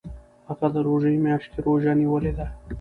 هغه د روژې میاشت کې روژه نیولې ده.